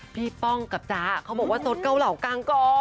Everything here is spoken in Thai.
ป้องกับจ๊ะเขาบอกว่าสดเกาเหล่ากลางกอ